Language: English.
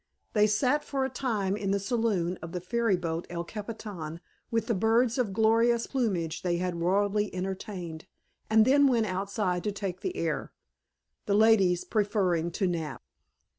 They sat for a time in the saloon of the ferry boat El Capitan with the birds of gorgeous plumage they had royally entertained and then went outside to take the air; the ladies preferring to nap.